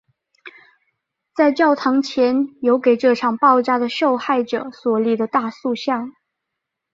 在教堂前有给这场爆炸的受害者所立的大塑像。